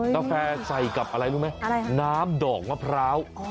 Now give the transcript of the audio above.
กาแฟใส่กับอะไรรู้ไหมอะไรน้ำดอกมะพร้าว